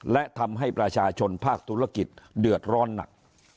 และทำให้ประชาชนภาคธุรกิจเดือดร้อนหนัก